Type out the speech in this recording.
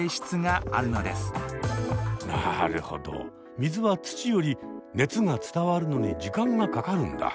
水は土より熱が伝わるのに時間がかかるんだ。